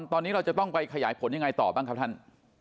ตอนนี้เราจะต้องไปขยายผลยังไงต่อบ้างครับท่าน